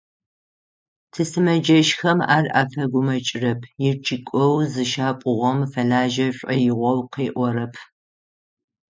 Тисымэджэщхэм ар афэгумэкӏрэп, ичӏыгоу зыщапӏугъэм фэлажьэ шӏоигъоу къыӏорэп.